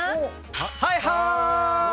はいはい！